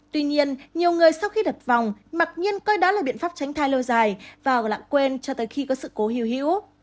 tuy nhiên nhiều người sau khi đặt vòng mặc nhiên coi đó là biện pháp tránh thai lâu dài và lãng quên cho tới khi có sự cố hìu hữu